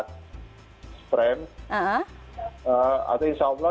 atau insya allah nanti september